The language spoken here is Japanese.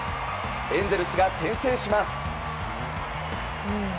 エンゼルスが先制します。